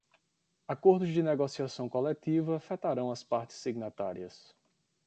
Acordos de negociação coletiva afetarão as partes signatárias.